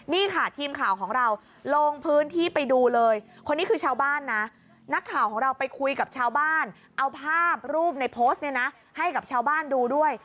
นี่ค่ะทีมข่าวของเราลงพื้นที่ไปดูเลยคนนี้คือชาวบ้านนะนักข่าวของเราไปคุยกับชาวบ้านเอาภาพรูปในโพสต์เนี่ยนะให้กับชาวบ้านดูด้วย